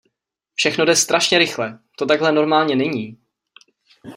Všechno jde strašně rychle, to takhle normálně není.